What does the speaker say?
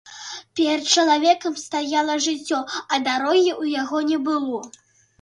Перад чалавекам стаяла жыццё, а дарогі ў яго не было.